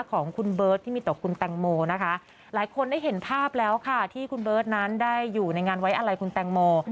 ของคุณเบิร์ตที่มีต่อคุณแตงโมนะคะหลายคนได้เห็นภาพแล้วค่ะที่คุณเบิร์ตนั้นได้อยู่ในงานไว้อะไรคุณแตงโม